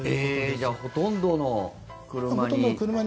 じゃあ、ほとんどの車に。